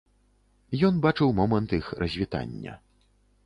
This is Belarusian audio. Ён бачыў момант іх развітання.